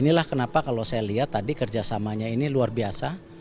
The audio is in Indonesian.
inilah kenapa kalau saya lihat tadi kerjasamanya ini luar biasa